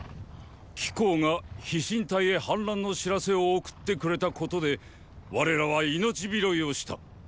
貴公が飛信隊へ反乱の知らせを送ってくれたことで我らは命拾いをした。